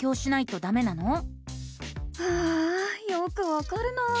ああよくわかるな。